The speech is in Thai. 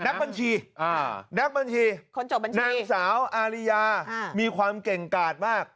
นักบัญชีนักบัญชีคนจบบัญชีนางสาวอาริยามีความเก่งกาดมาก